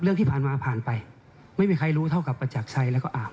เรื่องที่ผ่านมาผ่านไปไม่มีใครรู้เท่ากับประจักรชัยแล้วก็อาบ